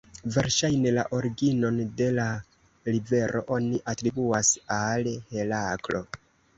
Verŝajne, la originon de la rivero oni atribuas al Heraklo.